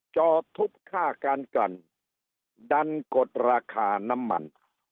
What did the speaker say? จอทุบค่าการกันดันกดราคาน้ำมัน